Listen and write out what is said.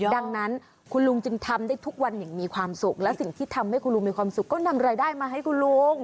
ดังนั้นคุณลุงจึงทำได้ทุกวันอย่างมีความสุขและสิ่งที่ทำให้คุณลุงมีความสุขก็นำรายได้มาให้คุณลุง